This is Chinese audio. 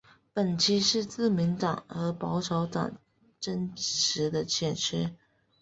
本区是自民党和保守党争持的选区。